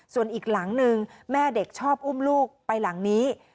ส่วนอีกหลังหนึ่งแม่เด็กชอบอุ้มลูกไปหลังนี้